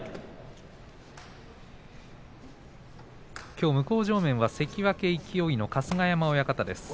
きょう向正面は関脇勢の春日山親方です。